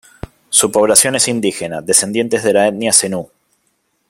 Su población es indígena, descendientes de la etnia zenú.